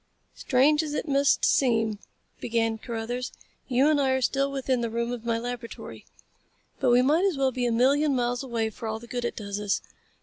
"Strange as it must seem," began Carruthers, "you and I are still within the room of my laboratory. But we might as well be a million miles away for all the good it does us.